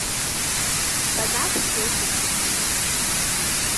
Ba za ku so shi ba.